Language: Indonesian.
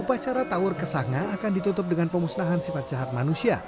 upacara tawur kesanga akan ditutup dengan pemusnahan sifat jahat manusia